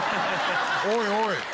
「おいおい！」